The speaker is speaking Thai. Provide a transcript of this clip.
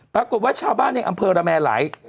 ปรากฏว่าชาวบ้านในอำเภอระแมไหล